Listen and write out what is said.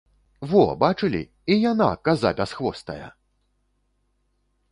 Во, бачылі, і яна, каза бясхвостая!